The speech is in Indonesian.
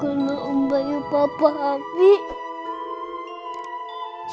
kena om bayu papa abie